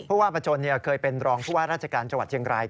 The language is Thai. ว่าประจนเคยเป็นรองผู้ว่าราชการจังหวัดเชียงราย